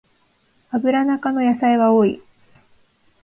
アブラナ科の野菜は多い